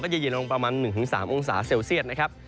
จะเย็นลงประมาณ๑๓องศาเซลเซียตนะครับ